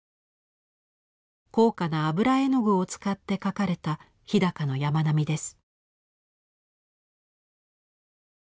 高価な油絵の具を使って描かれた日高の山並みです。